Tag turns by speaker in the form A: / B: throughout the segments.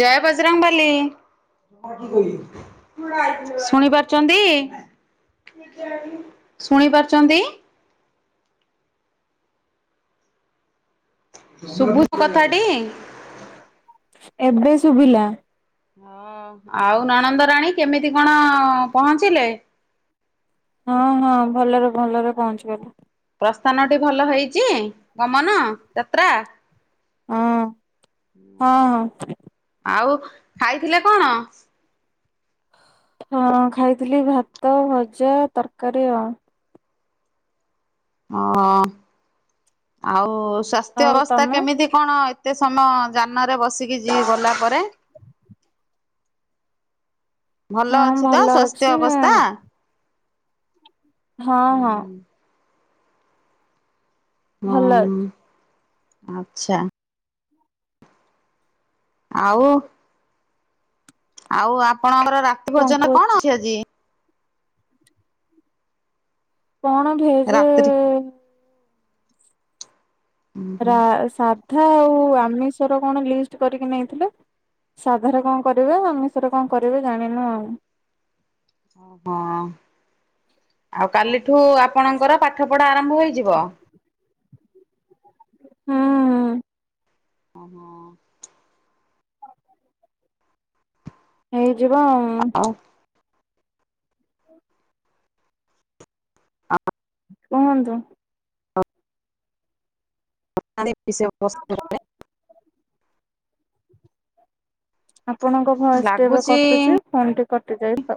A: ଜୟ ବଜରଙ୍ଗବାଲି । ଶୁଣି ପାରୁଚନ୍ତି । ଶୁଣି ପାରୁଚନ୍ତି । ଶୁଭୁଚି ମୋ କଥାଟି ।
B: ଏବେ ଶୁଭିଲା ।
A: ହଁ ଆଉ ନନନ୍ଦ ରାଣୀ କେମିତି କଣ ପହଞ୍ଚିଲେ ।
B: ହଁ ହଁ ଭଲରେ ଭଲରେ ପହଞ୍ଚିଗଲା ।
A: ପ୍ରସ୍ଥାନ ଟି ଭଲ ହେଇଛି ଗମନ ଯାତ୍ରା ।
B: ହଁ ହଁ ହଁ ।
A: ଆଉ ଖାଇଥିଲେ କଣ ।
B: ହଁ ଖାଇଥିଲି ଭାତ ଭଜା ତରକାରୀ ଅଉ ।
A: ଅ ଆଉ ସ୍ୱାସ୍ଥ୍ୟ
B: ଆଉ
A: ଅବସ୍ଥା
B: ତମେ?
A: କେମିତି କଣ । ଏତେ ସମୟ ଯାନରେ ବସିକି ଯି ଗଲା ପରେ । ଭଲ
B: ହଁ
A: ଅଛି ତ ସ୍ୱାସ୍ଥ୍ୟ
B: ଅଛି
A: ଅବସ୍ଥା।
B: ହଁ ହଁ । ଭଲ
A: ହଁ
B: ଅଛି
A: ଆଚ୍ଛା । ଆଉ । ଆଉ ଆପଣଙ୍କର ରାତି ଭୋଜନ କଣ ଅଛି ଆଜି ।
B: କଣ ଭେଜ
A: ରାତ୍ରି
B: । ରା
A: ଉହୁଁ
B: ସାଧା ଆଉ ଆମିଷର କଣ ଲିଷ୍ଟ କରିକି ନେଇଥିଲେ । ସାଧାରେ କଣ କରିବେ ଆମିଷରେ କଣ କରିବେ ଜାଣିନୁ ଆଉ ।
A: ଅ ହଁ ।ଆଉ କାଲିଠୁ ଆପଣଙ୍କର ପାଠ ପଢା ଆରମ୍ଭ । ଆରମ୍ଭ ହେଇଯିବ ।
B: ହୁଁ ।
A: ଓଃ ହୋ।
B: ହେଇଯିବ ଆଉ।
A: [inaudible]
B: କୁହନ୍ତୁ।
A: [unintelligible]
B: ଆପଣଙ୍କ ଭଏସ ଟି ଏବେ
A: ଲାଗୁଛି
B: କଟୁଛି ଫୋନ ଟି କଟି ଯାଇ ପା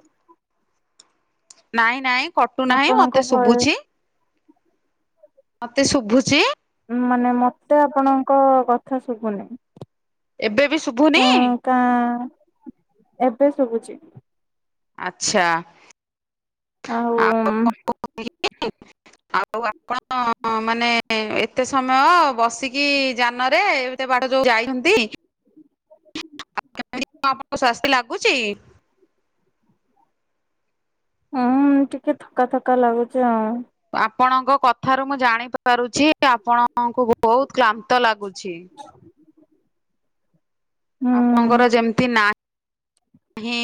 A: ନାଇଁ ନାଇଁ କଟୁ ନାହିଁ
B: ଆପଣଙ୍କ
A: ମତେ
B: ଭୟ
A: ଶୁଭୁଛି। ମତେ ଶୁଭୁଛି।
B: ମାନେ ମତେ ଆପଣଙ୍କ କଥା ଶୁଭୁନି।
A: ଏବେ ବି ଶୁଭୁନି
B: ହଁ କା ଏବେ ଶୁଭୁଛି।
A: ଆଚ୍ଛା।
B: ଆଉ ଉଁ।
A: [inaudible] ଆଉ ଆପଣ ମାନେ ଏତେ ସମୟ ବସିକି ଯାନରେ ବା ଯୋଉ ଯାଇଛନ୍ତି। [unintelligible] ସ୍ୱାସ୍ଥ୍ୟ ଲାଗୁଛି।
B: ଉୁଁ ଟିକେ ଥକା ଥକା ଲାଗୁଛି ଆଉ।
A: ଆପଣଙ୍କ କଥାରୁ ମୁଁ ଜାଣି ପାରୁଛି ଆପଣ ଆମଙ୍କୁ ବହୁତ କ୍ଳାନ୍ତ ଲାଗୁଛି। ଆପଣଙ୍କର
B: ହୁଁ
A: ଯେମିତି ନା ହୁଁ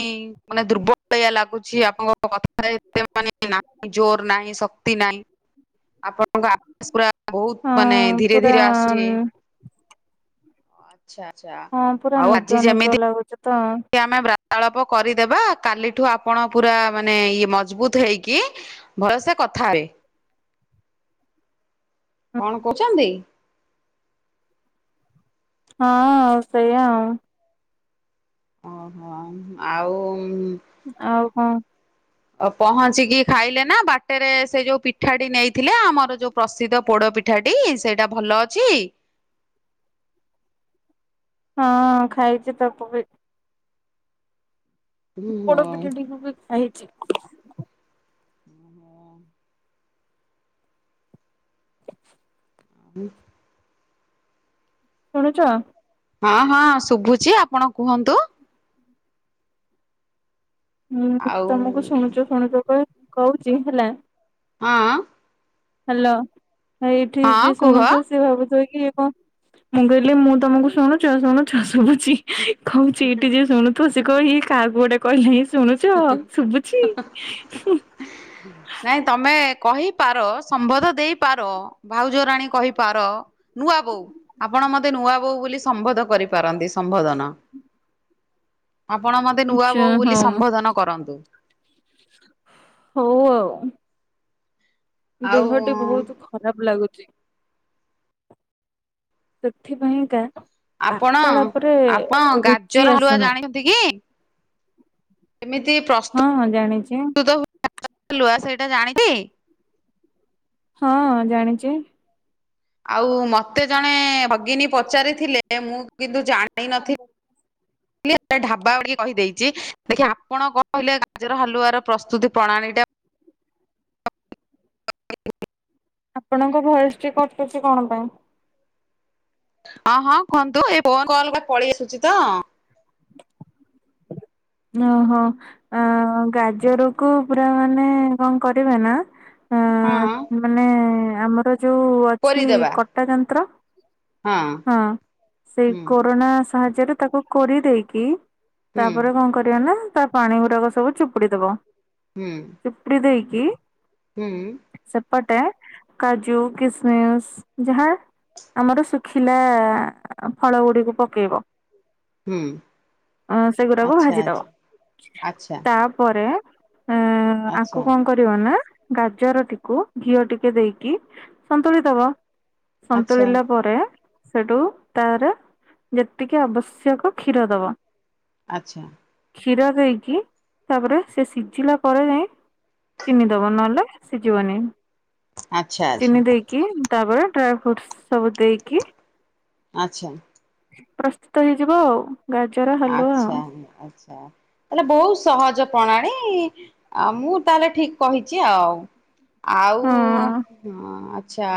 A: ମାନେ ଦୂର୍ବଳିଆ ଲାଗୁଛି ଆପଣଙ୍କ କଥାରେ ଏତେ ମାନେ ନାହିଁ ଜୋର ନାହିଁ। ଶକ୍ତି ନାହିଁ। ଆକାଶ ପୁରା ବହୁତ ମାନେ
B: ହଁ
A: ଧୀରେ
B: ପୁରା
A: ଧୀରେ ଆସୁଛି। ଆଚ୍ଛା- ଆଚ୍ଛା
B: ହଁ ପୁରା
A: ଆଉ ଆଜି
B: ନିଦ ନିଦ
A: ଯେମିତି
B: ଲାଗୁଛି ତ
A: ଆମେ [unintelligible] ଅଳପ କରିଦେବା କାଲିଠୁ ଆପଣ ପୁରା ମାନେ ଇଏ ମଜବୁତ ହେଇକି ଭଲସେ କଥା ହେବେ
B: ହଁ
A: କଣ କହୁଛନ୍ତି?
B: ହଁ ଆଉ ସେଇଆା ଆଉ।
A: ଓ ହୋ ଆଉ।
B: ଆଉ କଁ ।
A: ପହଞ୍ଚିକି ଖାଇଲେ ନା ବାଟରେ ସେ ଯୋଉ ପିଠାଟି ନେଇଥିଲେ, ଆମର ଯୋଉ ପ୍ରସିଦ୍ଧ ପୋଡ ପିଠା ଟି ସେଇଟା ଭଲ ଅଛି।
B: ହଁ ଖାଇଛି ତାକୁ ବି।
A: ହୁଁ
B: ପୋଡ
A: ହଁ।
B: ପିଠାଟିକୁ ବି ଖାଇଛି। [inaudible]
A: ହୁଁ।
B: ଶୁଣୁଛ।
A: ହଁ -ହଁ ଶୁଭୁଛି ଆପଣ କୁହନ୍ତୁ।
B: ହୁଁ
A: ଆଉ
B: ତମକୁ ଶୁଣୁଛୁ ଶୁଣୁଛୁ କ କହୁଛି ହେଲା।
A: ହଁ।
B: ହ୍ୟାଲୋ ଏଇଠି
A: ହଁ
B: ଯିଏ
A: କୁହ
B: ଶୁଣୁଥିବ ସିଏ ଭାବୁଥିବ କି ମୁଁ କହିଲି ମୁଁ ତମକୁ ଶୁଣୁଛ ଶୁଣୁଛ। [unintelligible] ଛି କହୁଛି ଏଇଠି ଯିଏ ଶୁଣୁଥୁବ ସେ କହ କାହାକୁ ଗୋଟେ କହିଲେଣି। ଶୁଣୁଚ ଶୁଭୁଛି।
A: ନାଇଁ ତମେ କହିପାର ସମ୍ବଧ ଦେଇପାର ଭାଉଜରାଣୀ କହିପାର ନୂଆ ବୋଉ ଆପଣ। ମତେ ନୂଆ ବୋଉ ବୋଲି ସମ୍ବୋଧ କରିପାରନ୍ତି ସମ୍ବୋଧନ। ଆପଣ ମତେ ନୂଆ
B: ଆଚ୍ଛା
A: ବୋଉ ବୋଲି
B: ହଁ।
A: ସମ୍ବୋଧନ କରନ୍ତୁ।
B: ହଉ ଆଉ।
A: ଆଉ
B: ଦେହଟି ବହୁତ ଖରାପ ଲାଗୁଛି। ସେଥିପାଇଁକା ।
A: ଆପଣ
B: ବାର୍ତ୍ତାଳାପ ରେ
A: ଆପଣ ଗାଜର
B: ରୁଚି
A: ହାଲୁଆ
B: ଆସୁନାହିଁ ।
A: ଏମିତି ପ୍ରସ୍ତୁ
B: ହଁ ଜାଣିଛି।
A: ପ୍ରସ୍ତୁତ ହୁଅ । ଲୁଆ ସେଇଟା ଜାଣି ଟି।
B: ହଁ ଜାଣିଚି ।
A: ଆଉ ମତେ ଜଣେ ଭଗିନୀ ପଚାରିଥିଲେ ମୁଁ କିନ୍ତୁ ଜାଣ ନଥିଲି । ଲି ସେ ଢାବା ବାଡେଇକି କହିଦେଇଛି ଦେଖିବା ଆପଣ କହିଲେ ଗାଜର ହାକୁଆ ର ପ୍ରସ୍ତୁତି ପ୍ରଣାଳୀ । ଣାଳୀ ଟା ।
B: ଆପଣଙ୍କ ଭୟସଟି କଟୁଛି କଣ ପାଇଁ ।
A: ହଁ ହଁ କୁହନ୍ତୁ ଏ ଫୋନ କଲ ଗୁରା ପଳେଇ ଆସୁଛି ତ ।
B: ଓହୋ ଆ ଗାଜରକୁ । ମାନେ କଣ କରିବେ ନା
A: ହଁ
B: ମାନେ ଆମର ଯୋଉ ଅଛି
A: କରିଦେବା
B: କଟା ଯନ୍ତ୍ର ହଁ ସେଇ
A: ହୁଁ
B: କୋରୋନା ସାହାଯ୍ୟରେ ତାକୁ କରି ଦେଇେଇକି
A: ହୁଁ
B: ତାପ କ ତା ପାଣି ଗୁଡାକ ସବୁ ଚୁପୁଡି ଦବ
A: ହୁଁ
B: ଚୁପୁଡି ଦେଇକି
A: ହୁଁ
B: ପଟେ କାଜୁ କିସମିସ ଯାହା ଆମର ଶୁଖିଲା ଫଳ ଗୁଡିକୁ ପକେଇବ
A: ହୁଁ
B: । ଅ ସେଗୁଡାକୁ
A: ଆଚ୍ଛା
B: ଭାଜିଦବ
A: ଆଚ୍ଛା
B: ତାପରେ ଏ
A: ଆଚ୍ଛା
B: ଆଙ୍କୁ କଣ କରିବ ନା ଗାଜରଟିକୁ ଘିଅ ଟିକେ ଦେଇକି ସନ୍ତୁଳି ଦବ
A: ଆଚ୍ଛା
B: ସନ୍ତୁଳିଲା ପରେ ସେଠୁ ତାର ଯେତିକି ଆବଶ୍ୟକ କ୍ଷୀର ଦବ
A: ଆଚ୍ଛା ।
B: କ୍ଷୀର ଦେଇକି ତାପରେ ସେ ସିଝିଲା ପରେ ଯାଇଁ ଚିନି ଦବ ନହେଲେ ସିଝିବନି
A: ଆଚ୍ଛା ଆଚ୍ଛା ଆଚ୍ଛା
B: ଚିନି ଦେଇକି ତାପରେ ଡ୍ରାଏ ଫ୍ରୁଟ ସବୁ ଦେଇକି
A: ଆଚ୍ଛା ।
B: ପ୍ରସ୍ତୁତ ହେଇଯିବ ଆଉ ଗାଜର ହାଲୁଆ
A: ଆଛା
B: ଆଉ।
A: ଆଛା । ତାହଲେ ବହୁତ ସହଜ ପ୍ରଣାଳୀ ମୁଁ ତାହେଲେ ଠିକ କହିଛି ଆଉ ଆଉ
B: ହଁ
A: ହ ଆଛା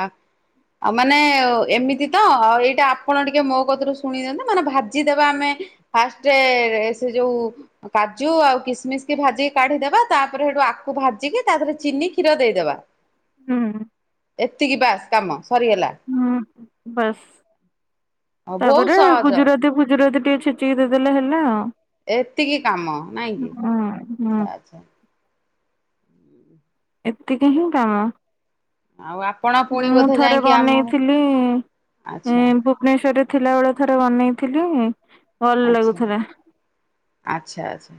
A: ଆଉ ମାନେ ଏମିତି ତ ଆଉ ଏଇଟା ଆପଣ ଟିକେ ମୋ କତିରୁ ଶୁଣି ଦିଅନ୍ତୁ ମାନେ ଭାଜିଦବା ଆମେ ଫାଷ୍ଟ ସେ ଯୋଉ କାଜୁ ଆଉ କିସମିସ୍ କି ଭାଜିିକି କାଢିଦବା ତାପରେ ସେଠୁ ଆଖୁ ଭାଜିକି ତାରେ ଚିନି କ୍ଷୀର ଦେଇଦବା
B: ହୁଁ
A: ଏତିକି ବାସ୍ କାମ ।
B: ହୁଁ ବାସ୍
A: ଆଉ ବହୁତ
B: ତାପରେ
A: ସହଜ
B: ଗୁଜୁରାତି ପୂଜା ଟିକେ ଛେଚିକି ଦେଇଦେଲେ ହେଲା ଆଉ
A: ଏତିକି କାମ ନାଇଁ କି
B: ହୁଁ ହୁଁ
A: ଆଛା ଆଛା ।
B: ଏତିକି ହିଁ କାମ।
A: ଆଉ ଆପଣ ପୁଣି
B: ମୁଁ
A: ବୋଧେ
B: ଥରେ
A: ଯାଇକି ଆମ
B: ବନେଇଥିଲି
A: ଆଚ୍ଛା
B: ଭୁବନେଶ୍ଵରରେ ଥିଲା ବେଳେ ଥରେ ବନେଇଥିଲି ଭଲ
A: ଆଛା
B: ଲାଗୁଥିଲା।
A: ଆଚ୍ଛା ଆଚ୍ଛା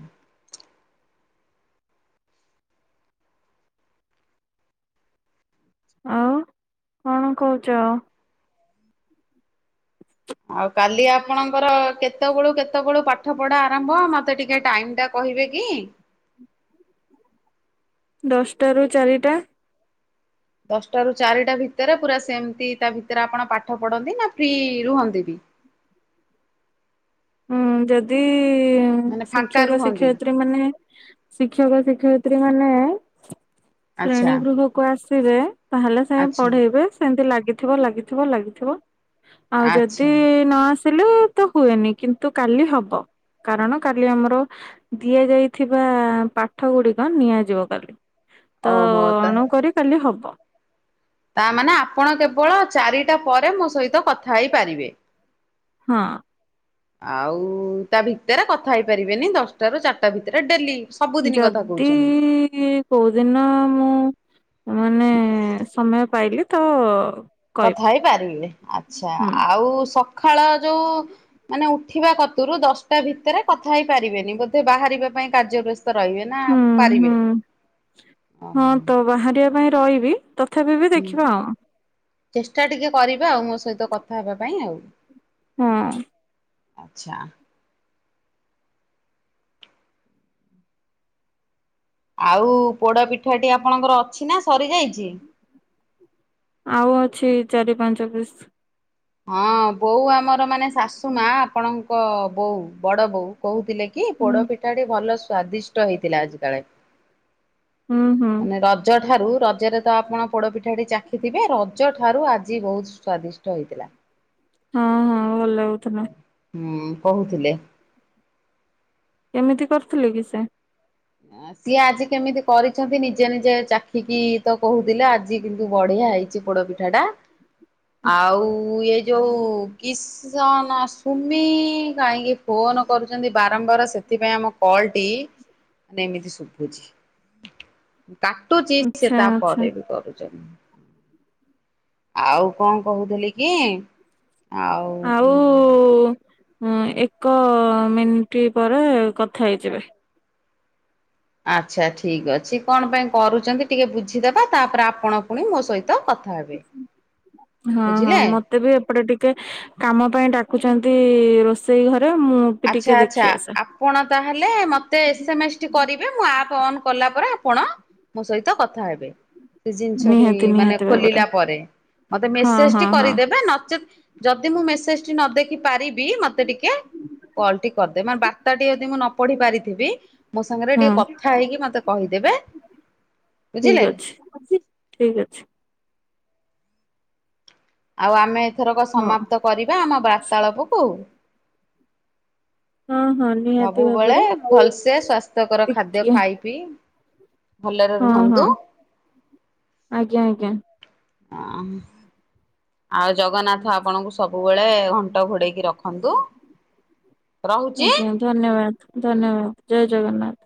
B: ଆଉ କଣ କହୁଛ?
A: ଆଉ କାଲି ଆପଣଙ୍କର କେତେବେଳୁ କେତେବେଳୁ ପାଠ ପଢା ଆରମ୍ଭ ମତେ ଟିକେ ଟାଇମ ଟା କହିବେ କି?
B: ଦଶଟା ରୁ ଚାରିଟା ।
A: ଦଶଟ ରୁ ଚାରିଟା ଭିତରେ ପୁରା ସେମିତି ତା ଭିତରେ ଆପଣ ପାଠ ପଢନ୍ତି ନା ଫ୍ରି ରୁହନ୍ତି ବି [inaudible]
B: ହୁଁ ଯଦି
A: ମାନେ ଫାଙ୍କା
B: ଶିକ୍ଷକ
A: ରୁହନ୍ତି
B: ଶିକ୍ଷୟତ୍ରୀ ମାନେ ଶିକ୍ଷକ ଶିକ୍ଷୟତ୍ରୀ ସ୍ତ୍ରୀ ମାନେ
A: ଆଚ୍ଛା
B: ଶ୍ରେଣୀ ଗୃହକୁ ଆସିଵେ ତାହଲେ ସେ
A: ଆଚ୍ଛା
B: ପଢେଇବେ ସେମତି ଲାଗିଥିବ ଲାଗିଥିବ ଲାଗିଥିବ ଆଉ ଯଦି
A: ଆଚ୍ଛା।
B: ନ ଆସିଲେ ତ ହୁଏନି କିନ୍ତୁ କାଲି ହବ। କାରଣ କାଲି ଆମର ଦିଆଯାଇଥିବା ପାଠ ଗୁଡିକ ନିଆଯିବ କାଲି ତ
A: ଓହୋ
B: ଅଣୁ କରି କାଲି ହବ।
A: ତାମାନେ ଆପଣ କେବଳ ଚାରିଟା ପରେ ମୋ ସହିତ କଥା ହେଇପାରିବେ ।
B: ହଁ
A: ଆଉ ତା ଭିତରେ କଥା ହେଇପାରିବେନି ଦଶଟା ରୁ ଚାରିଟା ଭିତରେ ଡେଲି ।
B: ଯଦି କୋଉଦିନ ମୁଁ ମାନେ ସମୟ ପାଇଲି ତ
A: ତଥା
B: କହିବି
A: ହେଇପାରିବେ ଆଚ୍ଛା
B: ହୁଁ
A: ଆଉ। ସଖାଳ ଯୋଉ ମାନେ ଉଠିବା କତୁରୁ ଦଶଟା ଭିତରେ କଥା ହେଇ ପାରିବେନି ବୋଧେ ବାହାରିବା ପାଇଁ କାର୍ଯ୍ୟ ବ୍ୟସ୍ତ ରହିବେ ନା
B: ହୁଁ
A: ପାରିବେ
B: ହୁଁ। ହଁ
A: ଓହୋ।
B: ତ ବାହାରିବା ପାଇଁ ରହିବି ତଥାପି ବି ଦେଖିବା ଆଉ।
A: ଚେଷ୍ଟା ଟିକେ କରିବା ଆଉ ମୋ ସହିତ କଥା ହେବା ପାଇଁ ଆଉ।
B: ହଁ।
A: ଆଛା। ଆଉ ପୋଡା ପିଠାଟି ଆପଣଙ୍କର ଅଛି ନା ସରି ଯାଇଛି।
B: ଆଉ ଅଛି ଚାରି ପାଞ୍ଚ ପିସ୍
A: ହଁ ବୋଉ ଆମର ମାନେ ଶାଶୁ ମା ଆପଣଙ୍କ ବୋଉ ବଡ ବୋଉ କହୁଥିଲେ କି? କି
B: ହୁଁ
A: ପୋଡ ପିଠା ଟେ ଭଲ ସ୍ଵାଦିଷ୍ଟ ହେଇଥିଲା ଆଜି କାଳେ
B: ହୁଁ ହୁଁ
A: ମାନେ ରଜ ଠାରୁ ରଜରେ ତ ଆପଣ ପୋଡପିଠାଟି ଚାଖିଥିବେ ରଜ ଠାରୁ ଆଜି ବହୁତ ସ୍ଵାଦିଷ୍ଟ ହେଇଥିଲା।
B: ହଁ ହଁ ଭଲ ହଉତ ନ
A: ହୁଁ କହୁଥିଲେ।
B: କେମିତି କରଥିଲେ କି ସେ
A: ସିଏ ଆଜି କେମିତି କରିଛନ୍ତି ନିଜେ ନିଜେ ଚାଖିକି ତ କହୁଥିଲେ ଆଜି କିନ୍ତୁ ବଢିଆ ହେଇଛି ପୋଡପିଠା ଟା ଆଉ ଇ ଯଉଁ କିଶନ ସୁମି କାହିଁକି ଫୋନ କରୁଛନ୍ତି ବାରମ୍ବାର ସେ ସେଥିପାଇଁ ଆମ କଲଟି ମାନେ ଏମିତି ଶୁଭୁଛି କାଟୁଚ ସେ
B: ଆଚ୍ଛା ଆଚ୍ଛା
A: ତାପରେ ବି କରୁଛନ୍ତି। ଆଉ କଣ କହୁଥିଲି କି?
B: ଆଉ। ହୁଁ ଏକ ମିନିଟ ପରେ କଥା ହେଇଯିବେ
A: ଆଚ୍ଛା ଠିକ ଅଛି କଣ ପାଇଁ କରୁଛନ୍ତି ଟିକେ ବୁଝିଦବା ତାପରେ ଆପଣ ପୁଣି ମୋ ସହିତ କଥା [inaudible]
B: ହଁ ହଁ
A: ବୁଝିଲେ।
B: ମତେ ବି ଏପଟେ ଟିକେ କାମ ପାଇଁ ଡାକୁଛନ୍ତି ରୋଷେଇ ଘରେ ମୁଁ ବି ଟିକେ
A: ଆଚ୍ଛା ଆଚ୍ଛା
B: ଦେଖି ଆସେ
A: ଆପଣ ତାହେଲେ ମତେ ଏସ୍ଏମ ଏସ୍ ଟି କରିବେ ମୁଁ ଆପ କଲା ପରେ ଆପଣ ମୋ ସହିତ କଥା ହେବେ। ସେ ଜିନିଷଟି
B: ନିହାତି
A: ମାନେ
B: ନିହାତି ଭାବରେ
A: ଖୋଲିଲା ପରେ ମତେ
B: ହଁ
A: ମେସେଜଟି
B: ହଁ ହଁ
A: କରିଦେବେ ନଚେତ୍ ଯଦି ମୁଁ ମେସେଜ ଟି ନ ଦେଖି ପାରିବି ମତେ ଟିକେ କଲ ଟି କରିଦେ ମ ବାର୍ତ୍ାଟି ଯଦି ମୁଁ ନ ପଢି ପାରିଥିବି। ମୋ ସାଙ୍ଗରେ ଟିକେ
B: ହଁ
A: କଥା ହେଇକି ମତେ କହିଦେବେ
B: ଠିକ
A: ବୁଝିଲେ
B: ଅଛି ଠିକ ଅଛି।
A: ଆଉ ଆମେ ଏଥରକ
B: ହଁ।
A: ସମାପ୍ତ କରିବା ଆମ ବାର୍ତାଳାପକୁ
B: ହଁ ହଁ ନିହାତି
A: ସବୁବେଳେ
B: ଭାବରେ ଆଉ
A: ଭଲସେ ସ୍ଵାସ୍ଥ୍ୟକର ଖାଦ୍ୟ
B: ଟିକେ
A: ଖାଇ ପିଇ ଭଲରେ
B: ହଁ ହଁ
A: ରୁହନ୍ତୁ।
B: ଆଜ୍ଞା ଆଜ୍ଞା।
A: ଆମ ଆଉ ଜଗନ୍ନାଥ ଆପଣଙ୍କୁ ସବୁବେଳେ ଘଣ୍ଟ ଘୋଡେଇକି ରଖନ୍ତୁ? ରହୁଛି।
B: ଆଜ୍ଞା ଧନ୍ୟବାଦ ଧନ୍ୟବାଦ ଜୟ ଜଗନ୍ନାଥ।